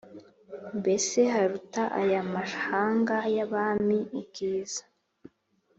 Mbese haruta aya mahanga y’abami ubwiza